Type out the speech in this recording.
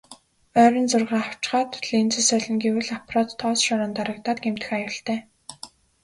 Ойрын зургаа авчхаад линзээ солино гэвэл аппарат тоос шороонд дарагдаад гэмтэх аюултай.